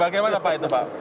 bagaimana pak itu pak